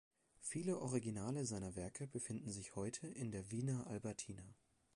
Viele Originale seiner Werke befinden sich heute in der Wiener Albertina.